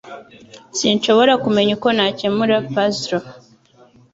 Sinshobora kumenya uko nakemura puzzle